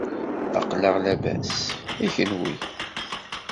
Aqlaɣ labas, i kunwi?